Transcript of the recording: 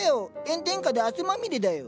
炎天下で汗まみれだよ。